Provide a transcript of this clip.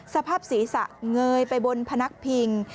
สภาพศีรษะเงยไปบนพนักพิง